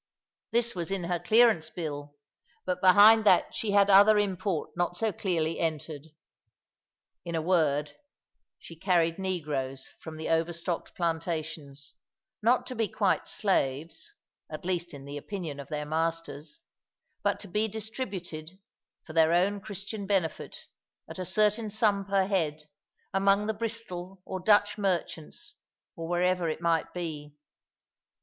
This was in her clearance bill; but behind that she had other import not so clearly entered. In a word, she carried negroes from the overstocked plantations, not to be quite slaves (at least in the opinion of their masters), but to be distributed, for their own Christian benefit, at a certain sum per head, among the Bristol or Dutch merchants, or wherever it might be.